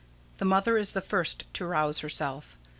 The Mother is the first to rouse herself.